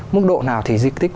mức độ nào thì di tích